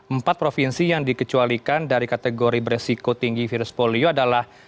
empat provinsi yang dikecualikan dari kategori beresiko tinggi virus polio adalah